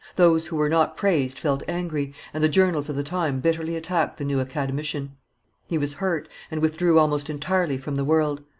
Those who were not praised felt angry, and the journals of the time bitterly attacked the new academician. He was hurt, and withdrew almost entirely from the world.